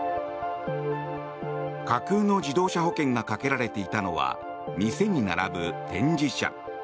架空の自動車保険がかけられていたのは店に並ぶ展示車。